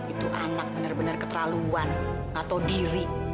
itu anak benar benar keterlaluan atau diri